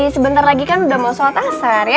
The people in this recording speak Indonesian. sebentar lagi kan udah mau sholat asar ya